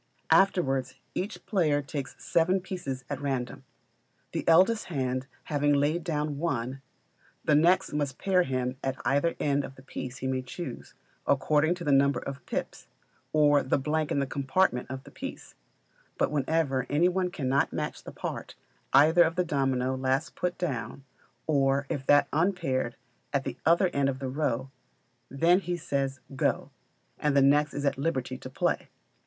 Afterwards each player takes seven pieces at random. The eldest hand having laid down one, the next must pair him at either end of the piece he may choose, according to the number of pips, or the blank in the compartment of the piece; but whenever any one cannot match the part, either of the domino last put down, or of that unpaired at the other end of the row, then he says, "Go;" and the next is at liberty to play.